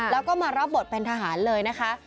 แล้วก็มารับบทเป็นทหารเลยนะคะ